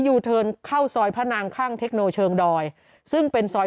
ยูเทิร์นเข้าซอยพระนางข้างเทคโนเชิงดอยซึ่งเป็นซอย